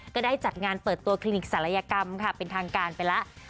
ก็ได้จัดงานเปิดตัวคลินิกศัลยกรรมค่ะเป็นทางการไปแล้ว